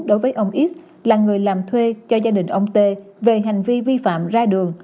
đối với ông is là người làm thuê cho gia đình ông tê về hành vi vi phạm ra đường